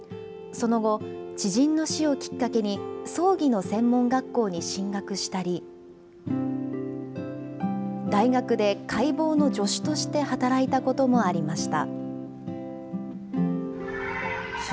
その後、知人の死をきっかけに、葬儀の専門学校に進学したり、大学で解剖の助手として働いたこともありました。